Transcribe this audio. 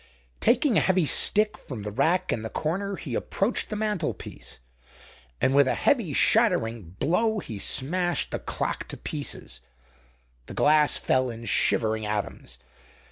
Taking a heavy stick from the rack in the corner he approached the mantlepiece, and with a heavy shattering blow he smashed the clock to pieces. The glass fell in shivering atoms.